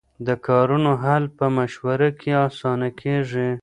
د کارونو حل په مشوره کې اسانه کېږي.